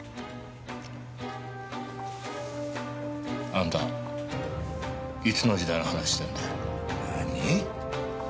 あんたいつの時代の話してんだよ。